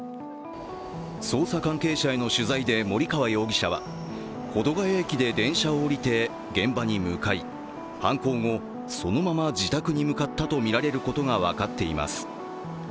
捜査関係者への取材で森川容疑者は保土ヶ谷駅で電車を降りて現場に向かい犯行後、そのまま自宅に向かったとみられることが分かっています。